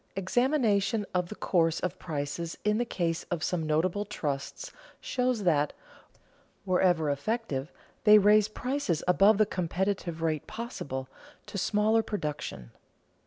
_Examination of the course of prices in the case of some notable trusts shows that, wherever effective, they raise prices above the competitive rate possible to smaller production.